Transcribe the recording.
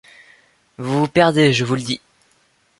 Vous vous perdez, je vous le dis.